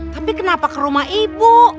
tapi kenapa ke rumah ibu